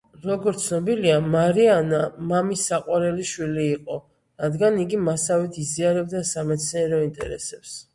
როგორც ცნობილია, მარია ანა მამის საყვარელი შვილი იყო, რადგან იგი მასავით იზიარებდა სამეცნიერო ინტერესებს.